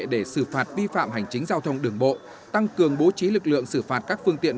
để xử phạt vi phạm hành chính giao thông đường bộ tăng cường bố trí lực lượng xử phạt các phương tiện